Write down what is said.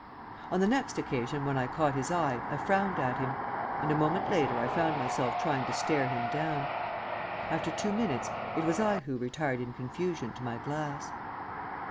On the next occasion when I caught his eye I frowned at him, and a moment later I found myself trying to stare him down. After two minutes it was I who retired in confusion to my glass.